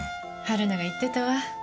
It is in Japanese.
春菜が言ってたわ。